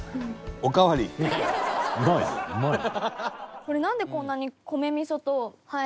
これなんでこんなに。